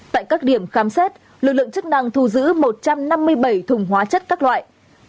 tại các điểm khám xét lực lượng chức năng thu giữ một trăm năm mươi bảy thùng hóa chất các loại